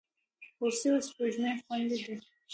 هوسۍ او سپوږمۍ خوېندي دي.